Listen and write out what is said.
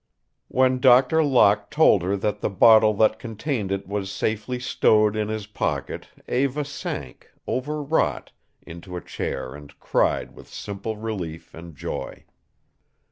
When Doctor Locke told her that the bottle that contained it was safely stowed in his pocket Eva sank, overwrought, into a chair and cried with simple relief and joy.